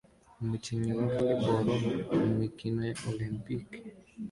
Umukinnyi wa volley ball mumikino olempike